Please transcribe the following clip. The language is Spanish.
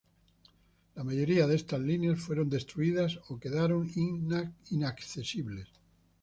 La mayoría de estas líneas fueron destruidas o quedaron inaccesibles.